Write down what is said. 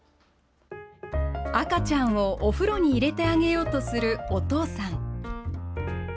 赤ちゃんをお風呂に入れてあげようとするお父さん。